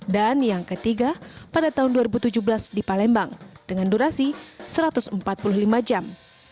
dan yang ketiga pada tahun dua ribu tujuh belas di palembang dengan durasi satu ratus empat puluh lima jam